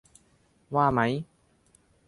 ว่ามั้ย